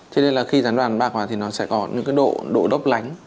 cho nên là khi rán bạc thì nó sẽ có những độ đốc lánh